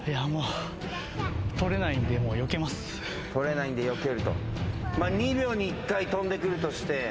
捕れないんでよけると。